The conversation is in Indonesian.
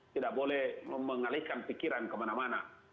tidak boleh mengalihkan pikiran kemana mana